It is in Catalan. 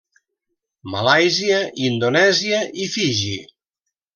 Malàisia, Indonèsia i Fiji.